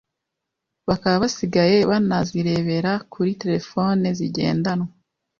bakaba basigaye banazirebera kuri telefoni zigendanwa;